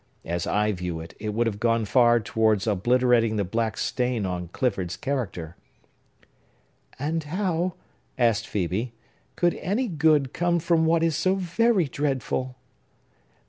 As I view it, it would have gone far towards obliterating the black stain on Clifford's character." "And how," asked Phœbe, "could any good come from what is so very dreadful?"